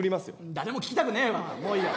誰も聴きたくねえわもういいわ。